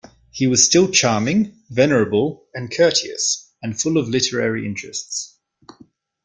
He was still charming, venerable, and courteous, and full of literary interests.